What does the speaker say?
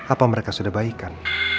apa mereka sudah baikan